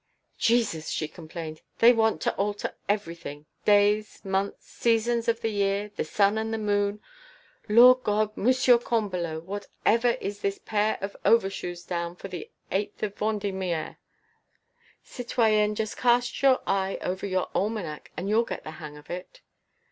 "Jesus!" she complained, "they want to alter everything, days, months, seasons of the year, the sun and the moon! Lord God, Monsieur Combalot, what ever is this pair of over shoes down for the 8 Vendémiaire?" "Citoyenne, just cast your eye over your almanac, and you'll get the hang of it."